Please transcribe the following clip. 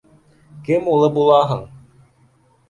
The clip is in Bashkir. Кем улы булаһың?